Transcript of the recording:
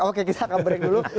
oke kita akan break dulu